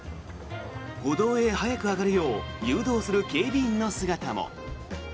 歩道へ早く上がるよう誘導する警備員の姿も。